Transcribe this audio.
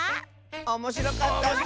おもしろかったッス！